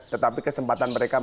tetapi kesempatan kita tidak banyak